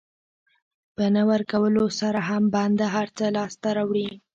په نه ورکولو سره هم بنده هر څه لاسته راوړي.